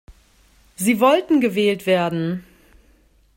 Sie wollten gewählt werden.